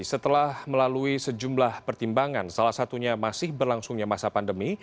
setelah melalui sejumlah pertimbangan salah satunya masih berlangsungnya masa pandemi